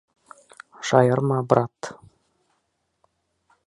Шаярма, брат!